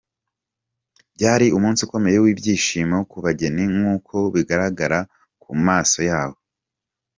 Byari umunsi ukomeye w'ibyishimo ku bageni nkuko bigaragara ku maso yabo.